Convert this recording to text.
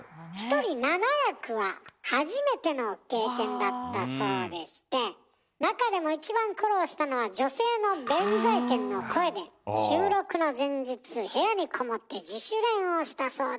１人７役は初めての経験だったそうでして中でも一番苦労したのは女性の弁財天の声で収録の前日部屋にこもって自主練をしたそうです。